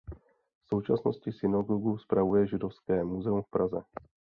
V současnosti synagogu spravuje Židovské muzeum v Praze.